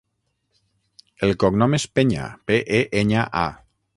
El cognom és Peña: pe, e, enya, a.